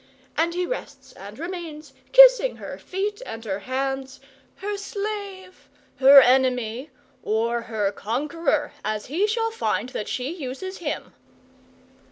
And he rests and remains, kissing her feet and her hands, her slave, her enemy, or her conqueror, as he shall find that she uses him.